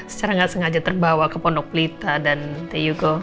secara nggak sengaja terbawa ke pondok plita dan teyugo